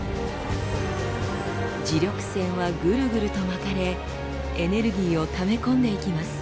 磁力線はぐるぐると巻かれエネルギーをため込んでいきます。